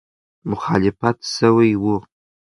مخالفت سوی وو.